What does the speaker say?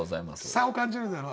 差を感じるだろ。